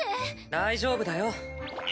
大丈夫だよ。